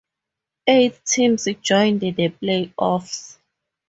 Eight teams joined the playoffs.